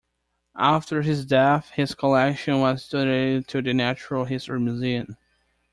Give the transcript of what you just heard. After his death his collection was donated to the Natural History Museum.